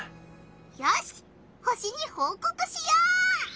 よし星にほうこくしよう！